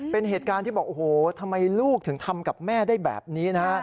เป็นเหตุการณ์ที่บอกโอ้โหทำไมลูกถึงทำกับแม่ได้แบบนี้นะฮะ